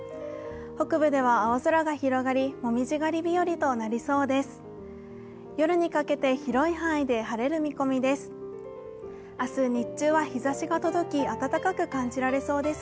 北部では青空が広がり紅葉狩り日和となりそうです。